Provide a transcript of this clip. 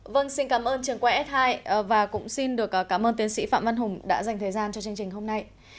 vâng xin cảm ơn trường quay s hai và cũng xin được cảm ơn tiến sĩ phạm văn hùng đã dành thời gian cho chương trình hôm nay